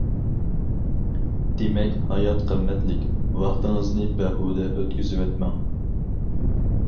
دېمەك، ھايات قىممەتلىك، ۋاقتىڭىزنى بىھۇدە ئۆتكۈزۈۋەتمەڭ.